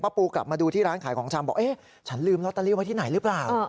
ปูกลับมาดูที่ร้านขายของชำบอกเอ๊ะฉันลืมลอตเตอรี่ไว้ที่ไหนหรือเปล่า